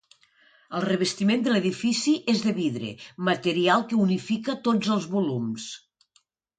El revestiment de l'edifici és de vidre, material que unifica tots els volums.